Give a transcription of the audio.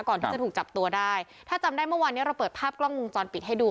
ก่อนที่จะถูกจับตัวได้ถ้าจำได้เมื่อวานเนี้ยเราเปิดภาพกล้องวงจรปิดให้ดู